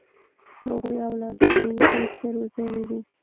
هغوی اولادونه یې ډېر ښه روزلي دي.